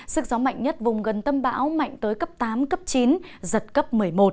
sức gió mạnh nhất vùng gần tâm bão mạnh tới cấp tám cấp chín giật cấp một mươi một